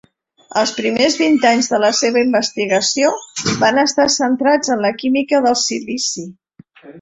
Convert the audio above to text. Els primers vint anys de la seva investigació van estar centrats en la química del silici.